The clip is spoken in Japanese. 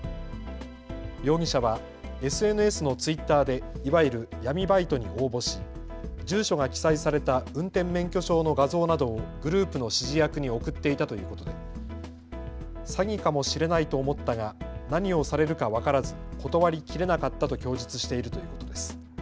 容疑者はＳＮＳのツイッターでいわゆる闇バイトに応募し住所が記載された運転免許証の画像などをグループの指示役に送っていたということで詐欺かもしれないと思ったが何をされるか分からず断り切れなかったと供述しているということです。